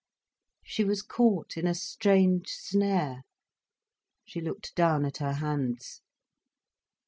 She was caught in a strange snare. She looked down at her hands.